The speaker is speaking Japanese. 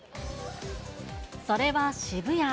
それは渋谷。